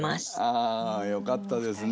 あよかったですね。